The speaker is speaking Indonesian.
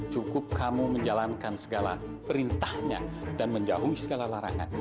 cukup kamu menjalankan segala perintahnya dan menjauhi segala larangan